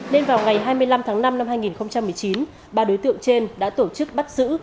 nên vào ngày hai mươi năm tháng năm năm hai nghìn một mươi chín ba đối tượng trên đã tổ chức bắt giữ